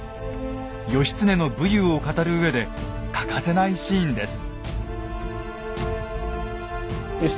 義経の武勇を語るうえで欠かせないシーンです。